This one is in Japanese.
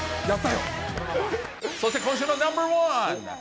そして今週のナンバー１。